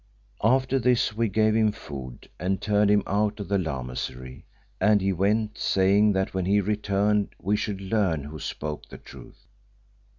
"After this we gave him food and turned him out of the Lamasery, and he went, saying that when he returned we should learn who spoke the truth.